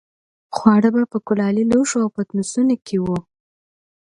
خواړه به په کلالي لوښو او پتنوسونو کې وو.